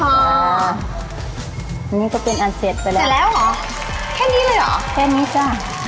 อันนี้ก็เป็นอันเสร็จไปแล้วเสร็จแล้วเหรอแค่นี้เลยเหรอแค่นี้จ้ะ